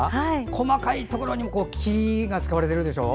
細かいところにも木が使われてるでしょ。